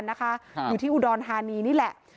นางสาวเนธก็แล้วกันนะคะอยู่ที่อุดรฮานีนี่แหละ